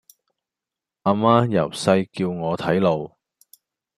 啊媽由細叫我睇路